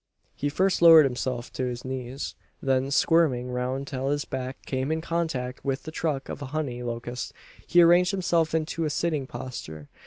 He first lowered himself to his knees. Then, "squirming" round till his back came in contact with the trunk of a honey locust, he arranged himself into a sitting posture.